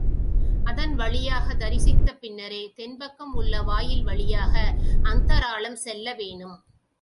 அதன் வழியாகத் தரிசித்த பின்னரே தென்பக்கம் உள்ள வாயில் வழியாக அந்தராளம் செல்லவேணும்.